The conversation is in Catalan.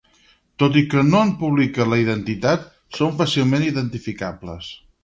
Tot i que no en publica la identitat, són fàcilment identificables.